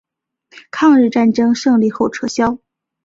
抗日战争胜利后撤销。